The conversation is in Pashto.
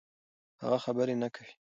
هغه خبرې نه کوي.